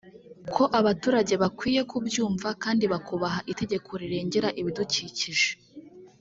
ko abaturage bakwiye kubyumva kandi bakubaha itegeko rirengera ibidukikije